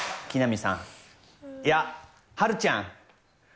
木南さん、いや、はるちゃん。